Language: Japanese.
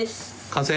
完成！